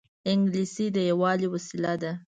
انګلیسي د یووالي وسیله ده